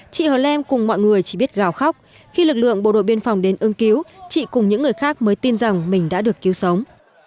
chị hờ lem cùng mọi người chỉ biết gào khóc khi lực lượng bộ đội biên phòng đến ưng cứu chị cùng những người khác mới tin rằng mình đã được cứu sống